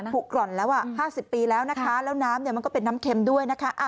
ถูกกร่อนแล้ว๕๐ปีแล้วนะคะแล้วน้ำมันก็เป็นน้ำเค็มด้วยนะคะ